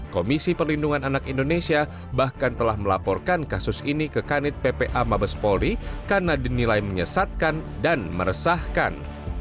komisi perlindungan anak indonesia bahkan telah melaporkan kasus ini ke kanit ppa mabes polri karena dinilai menyesatkan dan meresahkan